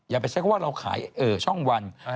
อย่าไปใช้คำว่าเราขายช่องวัน